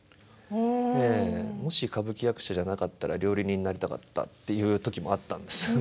もし歌舞伎役者じゃなかったら料理人になりたかったっていう時もあったんです。